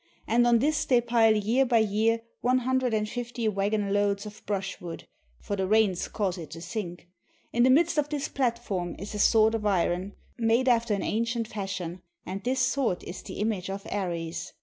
And on this they pile year by year one hundred and fifty wagons loads of brushwood, for the rains cause it to sink. In the midst of this platform is a sword of iron, made after an ancient fashion ; and this sword is the im age of Ares.